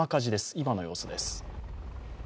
今の様子です。